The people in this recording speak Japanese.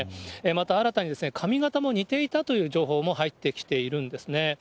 また、新たに髪形も似ていたという情報も入ってきているんですね。